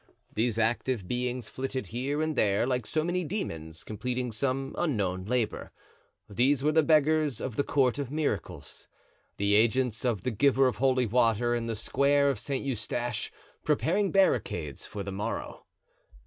These active beings flitted here and there like so many demons completing some unknown labor; these were the beggars of the Court of Miracles—the agents of the giver of holy water in the Square of Saint Eustache, preparing barricades for the morrow.